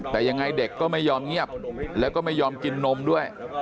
แต่ยังไงเด็กก็ไม่ยอมเงียบแล้วก็ไม่ยอมกินนมด้วย